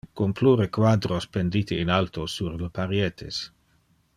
Con plure quadros pendite in alto sur le parietes.